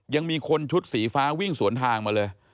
ยังมีคนชุดสีฟ้าวิ่งสวนทางมาเลย